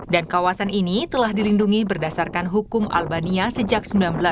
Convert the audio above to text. dan kawasan ini telah dilindungi berdasarkan hukum albania sejak seribu sembilan ratus empat puluh